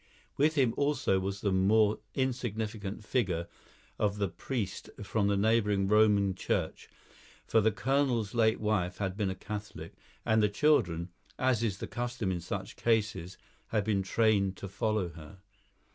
With him also was the more insignificant figure of the priest from the neighbouring Roman Church; for the colonel's late wife had been a Catholic, and the children, as is common in such cases, had been trained to follow her.